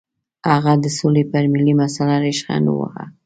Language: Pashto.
هغه د سولې پر ملي مسله ریشخند وواهه.